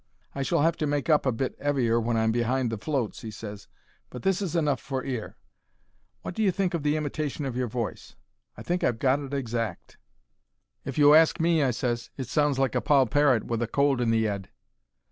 "I shall have to make up a bit 'eavier when I'm behind the floats," he ses; "but this is enough for 'ere. Wot do you think of the imitation of your voice? I think I've got it exact." "If you ask me," I ses, "it sounds like a poll parrot with a cold in the 'ead."